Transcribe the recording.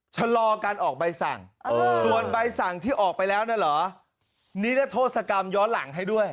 ชะลอการออกใบสั่งส่วนใบสั่งที่ออกไปแล้วนั่นเหรอนิรโทษกรรมย้อนหลังให้ด้วย